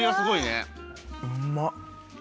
うまっ。